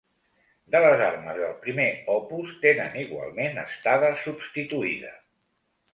De les armes del primer opus tenen igualment estada substituïda.